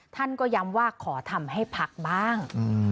ท่านก็ย้ำว่าขอทำให้พักบ้าง